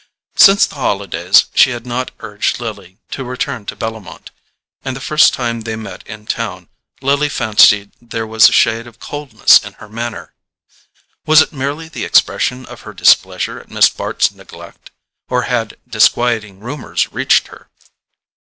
Since the holidays she had not urged Lily to return to Bellomont, and the first time they met in town Lily fancied there was a shade of coldness in her manner. Was it merely the expression of her displeasure at Miss Bart's neglect, or had disquieting rumours reached her?